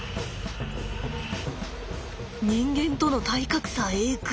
人間との体格差エグッ。